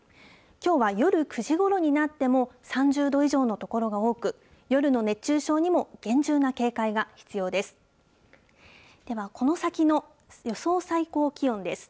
きょうは夜９時ごろになっても、３０度以上の所が多く、夜の熱中症にも厳重な警戒が必要です。